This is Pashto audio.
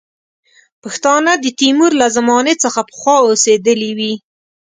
پښتانه د تیمور له زمانې څخه پخوا اوسېدلي وي.